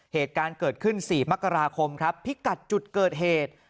เหตุการณ์เกิดขึ้น๔มกราคมครับพิกัดจุดเกิดเหตุ